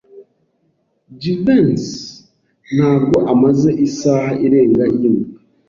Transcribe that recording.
Jivency ntabwo amaze isaha irenga yimuka.